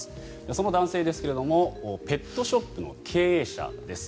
その男性ですがペットショップの経営者です。